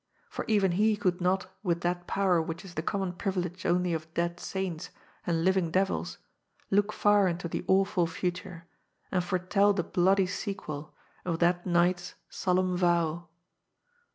For even he could not, with that power which is the common privilege only of dead saints and living devils, look far into the awful future, and foretell the bloody sequel of that night's solemn vow.